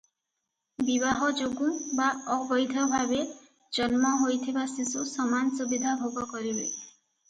ବିବାହ ଯୋଗୁଁ ବା ଅବୈଧ ଭାବେ ଜନ୍ମ ହୋଇଥିବା ଶିଶୁ ସମାନ ସୁବିଧା ଭୋଗ କରିବେ ।